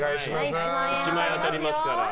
１万円当たりますから。